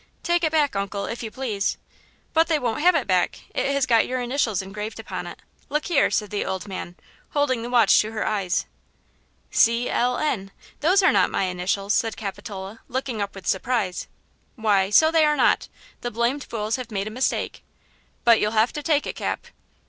"Take it back, uncle, if you please." "But they won't have it back; it has got your initials engraved upon it. Look here," said the old man, holding the watch to her eyes. " 'C.L.N.'–those are not my initials," said Capitola, looking up with surprise. "Why, so they are not; the blamed fools have made a mistake. But you'll have to take it, Cap."